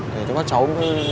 để các cháu